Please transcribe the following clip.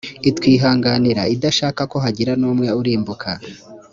itwihanganira idashaka ko hagira n umwe urimbuka